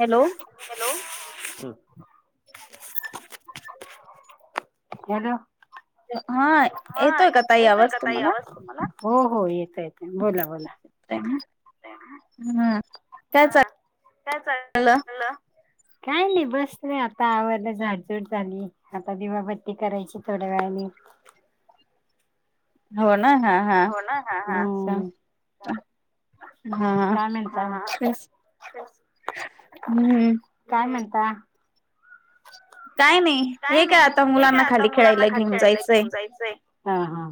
Hello hello, हं hello. हां, हा येतोय का ताई आवाज तुम्हाला. हो हो, येतय बोला. हां. हा, काय चाल चाललं. काही नाही बसले आता आवरल झाडझूड झाडझूड. आता दिवाबत्ती करायची थोड्या वेळाने हो ना हा हा अच्छा हम्म हा काय म्हणता तेच हम्म काय म्हणता? काय नाही. काय हे नाही आता हे मुलांना काय आता खाली मुलांना खेळायला खाली घेऊन खेळायला जायचंय घेऊन जायचंय हा हा.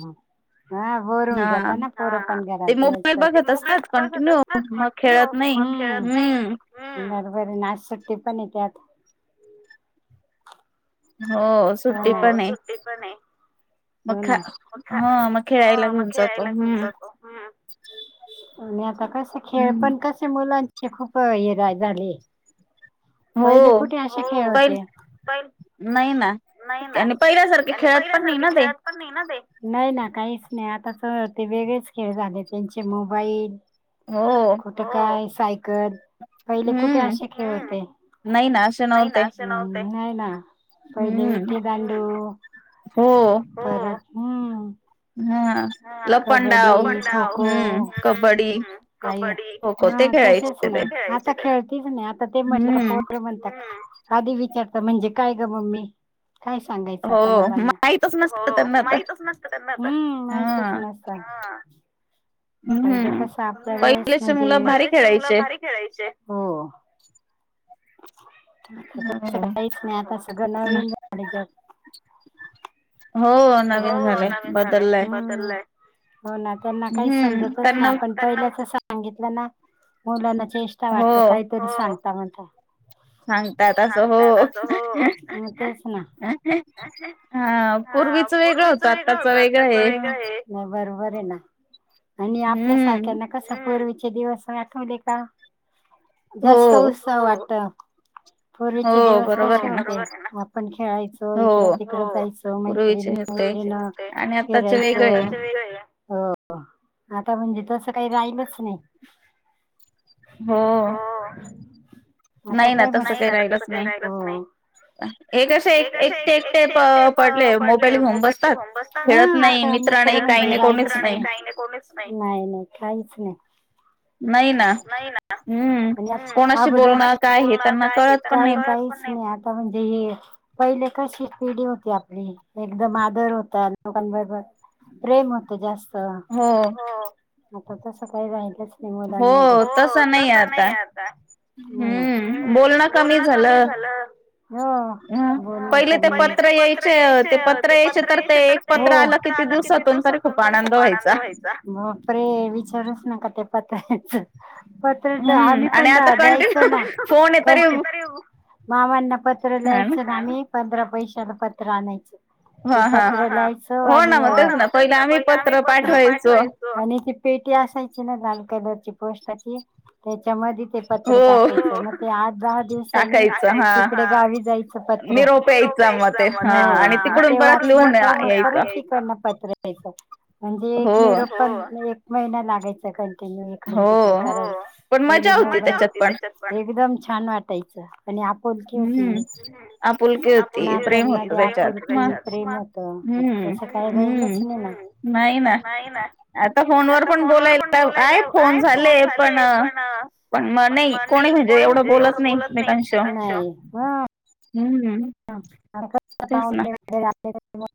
बोर होवून हा जाताना पोर पण घरात ते मोबाईल दिवसभर. ते बघत मोबाईल असतात बघत कंटिन्यू असतात मग कंटिन्यू. खेळत हम्म नाही कोण खेळत हम्म नाही बरोबर आहे ना सुट्टी पण आहे त्यात हो. सुट्टी पण हो आहे सुट्टी पण आहे. मग खा हा मग खेळायला घेऊन जातो हम्म हम्म आणि आता कसा खेळ हम्म पण तस त्या मुलांची हे खुप जाडी हाय. हो, खेळ हो पण होते. पहिले नाहि ना. आणि पहिल्यासारखे खेळत पण नाही ना ते. खेळत नाही ना ते. नाही ना, काहीच नाही. आताच ते वेगळेच खेळ झाले त्यांचे मोबाईल हो कुठे काय सायकल. पहिले कुठे हम्म असे खेळ होते. नाही ना असे नाही नव्हते ना असे न्हवते. नाही ना पहिले हम्म विटी दांडू. हो हम्म. परत. हम्म. हा कबड्डी खो लंपडाव. लपंडाव, खो हम्म, हम्म, कबड्डी. कबड्डी खो खो हा ते तसेच खेळायचे ते नाही आता खेळतीच नाही आता ते म्हटलं का हम्म पोर म हम्म, आधी विचारत म्हणजे काय ग मम्मी. काय सांगायचं हो आता मुलांना. माहितच नसत हो त्यांना तर माहितच नसत त्यांना तर. हम्म तच हा नसत. पहिले हम्म कस आपल्या वेळेस पहिलेचे म्हणजे, मुलं भारी पहिलाचे मुल खेळायचे भारी खेळायचे. हो. आता तस हो काहीच नाही आता सगळ नवीन झालय [unintelligible] हो नवीन सगळं झालय बदलय. हम्म हो ना त्यांना काही समजतच नाही आपण पहिल्याच सांगितल ना मुलांना चेष्टा हो वाटते काहीतरी सांगता म्हणतात. सांगतात अस हो. मग तेच ना हा हा पूर्वीच वेगळ तेच होत वेगळं आत्ताच वेगळ आहे. हम्म नाही बरोबर आहे ना, आणि आपल्या हम्म सारख्यांना कस पूर्वीचे दिवस आठवले का हो जास्त उत्साह वाटत. पूर्वीचे हो दिवस बरोबर कसे आहे ना होते हो आपण खेळायचो इकड हो तिकड जायचो मैत्रिणी पूर्वीचे होते पूर्वीचे वेगळे आणि आताचे फिरायचो आणि आताचे वेगळे आहेत. हो आता म्हणजे तस काही राहिलच नाही. हो. आता नाही ना काय तस मस् काही राहिलच नाही. हो एक असे एक एकटे एकटे पडले [unintelligible] मोबाईल घेऊन बसतात खेळत हा नाही, मित्र नाही, काही नाही कोणीच नाही. कोणीच नाही नाही नाही काहीच नाही. [inaudible] नाही ना हम्म आणि कोणाशी अगोदर बोलणार काय हे त्यांना काय हे कळत त्यांना पण काही नाही. काहीच नाही. नाही आता म्हणजे ही पहिले कशी पिढी होती आपली ही‌. एकदम आदर होता लोकांबरोबर प्रेम होत जास्त. हो आता तस काही राहिलच नाही हो मुलांमध्ये. तसं नाही आता हो ना हम्म बोलणं हम्म बोलण कमी झालं झाल हो ह बोलण पहिले ते कमी झा पत्र यायचे ते पत्र यायचे तर ते एक पत्र आल किती दिवसातून तरी खूप आनंद व्हायचा. बापरे विचारुच नका त्या पताकांच. पत्र तर हम्म आम्ही आणि पण आता द्यायचो कंटिन्यू ना. फोन आहे तरी मामांना पत्र लिहायचो ना आम्ही पंधरा पैशाला पत्र आणायचो. हा ते हा पत्र लिहायच हो ना आणि मग तेच ना पहिलं आम्ही पत्र पाठवायचो आणि ती पेटी असायची ना लाल कलरची पोष्टाची त्याच्यामध्ये ते पत्र हो टाकायच मग ते आठ दहा दिवसनी टाकायचं हा तिकडे गावी जायच. पत्र निरोप हो यायचा मग ते हा आणि तिकडून ते परत वाचल लिहून का मग यायचं परत तिकडन पत्र यायच म्हणजे हो एक निरोप पण एक महिना लागायचा कंटिन्यू इकडून हो तिकड करायच पण पहिले होती मजा त्याच्यात पण एकदम छान वाटायच. आणि आपूलकी होती हम्म आपुलकी होती प्रेम होत नात्यांमध्ये त्याच्यात आपूलकी. मग की प्रेम होत आता हम्म तस काय राहिलच हम्म नाही ना. नाही ना आता फोनवर पण बोलायला आहे फोन झाले पण पण मग नाही कोणी याच्या एवढ बोलत नाही ते [unintelligible] हम्म तेच ना [unintelligible]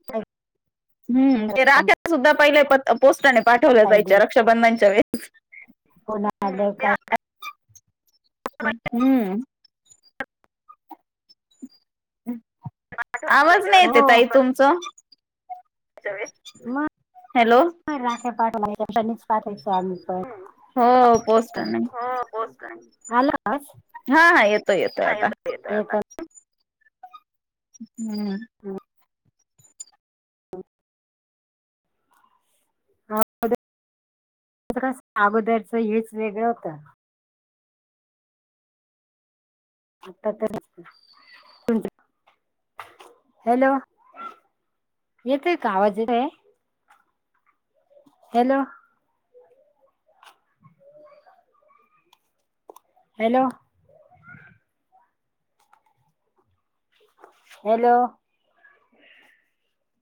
हम्म ते राख्या सुद्धा पहिल्या पोस्टाने पाठवल्या काही जायच्या रक्षाबंधनच्या वेळेस. हो ना अग काय. हम्म आवाज नाही येतय हो. ताई तुमचा? मग हॅलो राख्या पाठवायच [unintelligible] तर पाठयचो आम्ही पण हो पोस्टाने आला आवाज? हा हा येतोय येतोय आता. येतय अता. हम्म. हम्म. हा [unintelligible] अगोदरच हेच वेगळं होत. आता तर [unintelligible] हॅलो येतोय का? आवाज येतय? हॅलो. [inaudible] हॅलो. हॅलो.